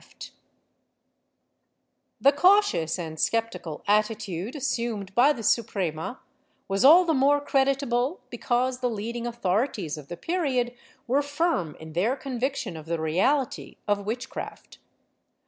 ^ The cautious and sceptical attitude assumed by the Suprema was all the more creditable because the leading authorities of the period were firm in their conviction of the reality of witchcraft.